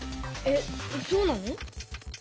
えっそうなの？